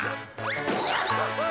ギャフフン！